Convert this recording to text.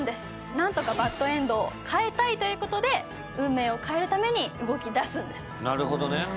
なんとかバッドエンドを変えたいということで運命を変えるために動きだすんです。